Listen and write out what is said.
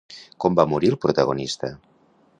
Com va morir el protagonista?